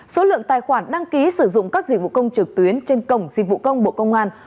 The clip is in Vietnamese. số lượng tài khoản đăng ký sử dụng các dịch vụ công trực tuyến trên cổng dịch vụ công bộ công an